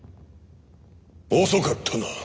遅かったな。